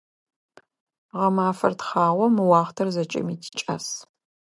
Гъэмафэр тхъагъо, мы уахътэр зэкӀэми тикӀас.